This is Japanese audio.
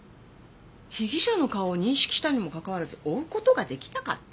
被疑者の顔を認識したにもかかわらず追う事が出来なかった？